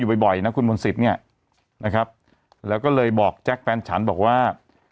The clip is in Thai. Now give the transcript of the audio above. บ่อยนะคุณมนต์สิทธิ์เนี่ยนะครับแล้วก็เลยบอกแจ็คแฟนฉันบอกว่า